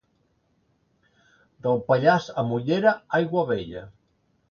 Del Pallars a Morella, aigua vella.